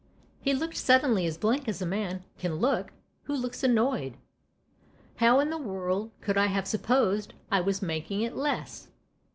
He looked suddenly as blank as a man can look who looks annoyed. " How in the world could I have supposed 1 was making it less